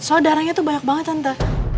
soal darahnya itu banyak banget tante